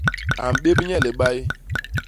A mbép nye libay.